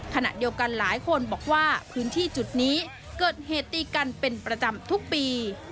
ขณะเดียวกันหลายคนบอกว่าพื้นที่จุดนี้เกิดเหตุตีกันเป็นประจำทุกปี